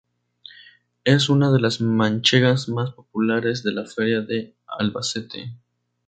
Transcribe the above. Es una de las manchegas más populares de la Feria de Albacete.